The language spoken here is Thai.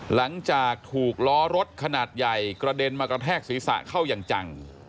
หลังจากถูกล้อรถขนาดใหญ่กระเด็นมากระแทกศีรษะเข้าอย่างจัง